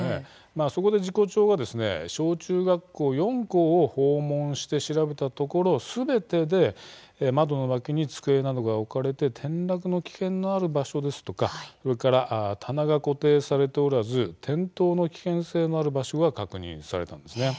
そこで事故調が小中学校４校を訪問して調べたところ、すべてで窓の脇などに机などが置かれて転落の危険がある場所ですとか棚が固定されておらず転倒の危険性のある場所が確認されたんです。